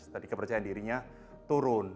dari kepercayaan dirinya turun